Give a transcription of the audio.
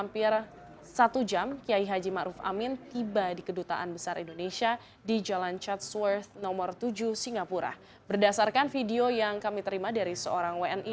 pertemuan tersebut berlangsung